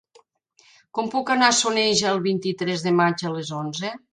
Com puc anar a Soneja el vint-i-tres de maig a les onze?